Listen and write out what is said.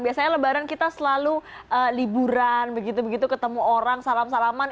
biasanya lebaran kita selalu liburan begitu begitu ketemu orang salam salaman